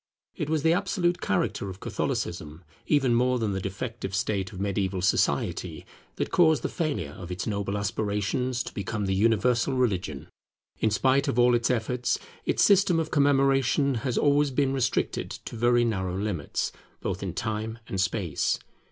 It was the absolute character of Catholicism, even more than the defective state of mediaeval society, that caused the failure of its noble aspirations to become the universal religion. In spite of all its efforts, its system of commemoration has always been restricted to very narrow limits, both in time and space.